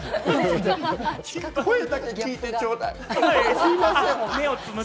声だけ聞いてちょうだい、すみません。